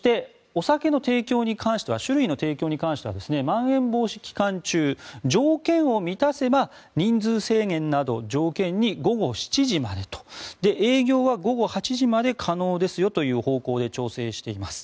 そしてお酒、酒類の提供に関してはまん延防止期間中条件を満たせば人数制限などを条件に午後７時までと営業は午後８時まで可能ですよという方向で調整しています。